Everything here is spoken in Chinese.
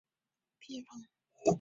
皮尔斯有一座很著名的啤酒厂。